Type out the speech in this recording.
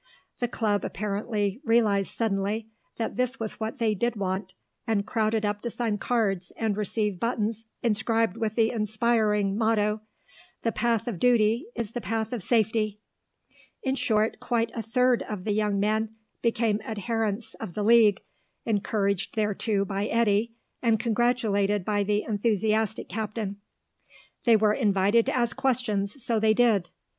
The Club apparently realised suddenly that this was what they did want, and crowded up to sign cards and receive buttons inscribed with the inspiring motto: "The Path of Duty is the Path of Safety." In short, quite a third of the young men became adherents of the League, encouraged thereto by Eddy, and congratulated by the enthusiastic captain. They were invited to ask questions, so they did.